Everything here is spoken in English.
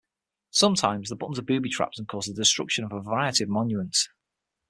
Sometimes the buttons are booby-trapped and cause the destruction of a variety of monuments.